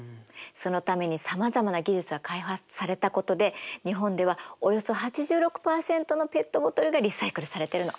そのためにさまざまな技術が開発されたことで日本ではおよそ８６％のペットボトルがリサイクルされてるの。